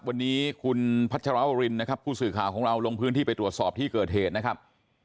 วันนี้คุณพัชรวรินนะครับผู้สื่อข่าวของเราลงพื้นที่ไปตรวจสอบที่เกิดเหตุนะครับ